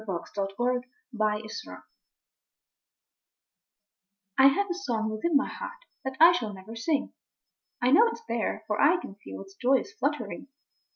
THE NOTE WITHIN I HAVE a song within my heart that I shall never sing. I know tis there for I can feel its joyous flut tering.